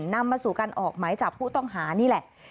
นำมาสู่การออกหมายจับผู้ต้องหานี่แหละ